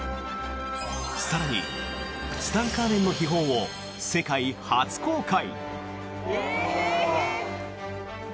更に、ツタンカーメンの秘宝を世界初公開！